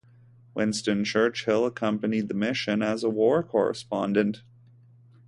Winston Churchill accompanied the mission as a war correspondent.